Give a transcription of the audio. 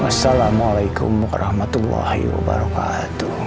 wassalamualaikum warahmatullahi wabarakatuh